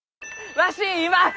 わし今！